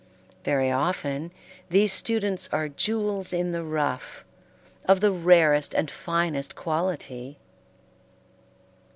Very often these students are "jewels in the rough," of the rarest and finest quality.